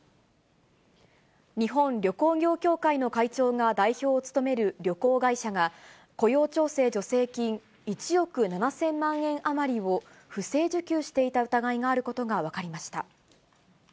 日本旅行業協会の会長が代表を務める旅行会社が、雇用調整助成金１億７０００万円余りを不正受給していた疑いがあることが分かりました。